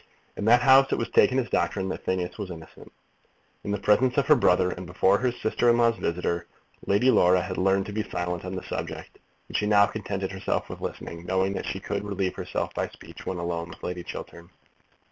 In that house it was taken as doctrine that Phineas Finn was innocent. In the presence of her brother, and before her sister in law's visitor, Lady Laura had learned to be silent on the subject, and she now contented herself with listening, knowing that she could relieve herself by speech when alone with Lady Chiltern.